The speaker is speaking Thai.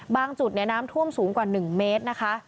จุดน้ำท่วมสูงกว่า๑เมตรนะคะ